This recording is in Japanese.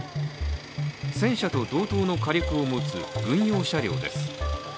戦車と同等の火力を持つ軍用車両です。